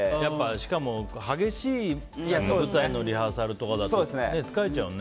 しかも激しい舞台のリハーサルとかだったら疲れちゃうもんね。